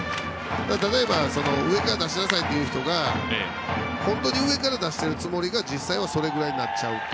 例えば上から出しなさいという人が本当に上から出しているつもりが実際はそれぐらいになっちゃうと。